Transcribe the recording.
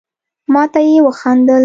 ما ته يي وخندل.